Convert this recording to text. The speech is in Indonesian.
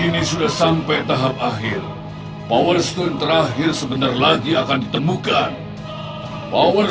ini sudah sampai tahap akhir power screen terakhir sebentar lagi akan ditemukan power